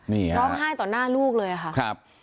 นี่ค่ะร้องไห้ต่อหน้าลูกเลยค่ะครับ